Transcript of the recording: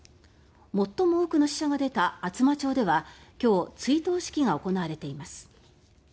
最も多くの死者が出た厚真町では今日、追悼式が行われています。